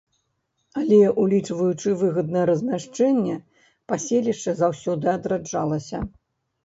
Але, улічваючы выгаднае размяшчэнне, паселішча заўсёды адраджалася.